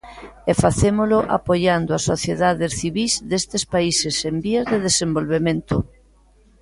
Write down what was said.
E facémolo apoiando as sociedades civís destes países en vías de desenvolvemento.